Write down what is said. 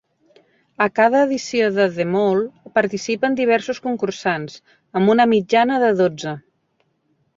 A cada edició de "The Mole" participen diversos concursants, amb una mitjana de dotze.